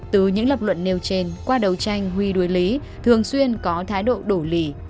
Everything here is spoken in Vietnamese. từ những lập luận nêu trên qua đầu tranh huy đối lý thường xuyên có thái độ đổ lì